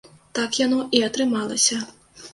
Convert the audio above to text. Так яно і атрымалася.